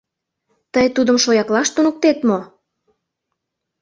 — Тый тудым шояклаш туныктет мо?